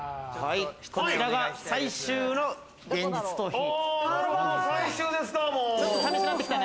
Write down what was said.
こちらが最終の現実逃避。